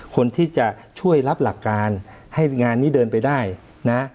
คนที่จะช่วยรับหลักการให้งานนี้เดินไปได้นะ